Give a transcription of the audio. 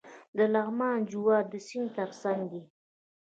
د لغمان جوار د سیند ترڅنګ دي.